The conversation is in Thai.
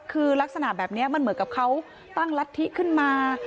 คือลักษณะแบบนี้มันเหมือนกับเขาตั้งรัฐธิขึ้นมา